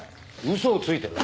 嘘をついている？